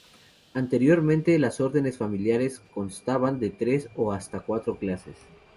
Anteriormente las Órdenes Familiares constaban de tres o hasta cuatro clases.